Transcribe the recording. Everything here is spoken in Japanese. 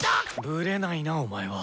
ブレないなお前は。